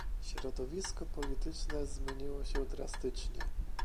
Środowisko polityczne zmieniło się drastycznie